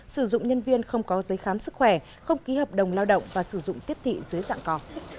sử dụng nhân viên không có giấy khám sức khỏe không ký hợp đồng lao động và sử dụng tiếp thị dưới dạng cò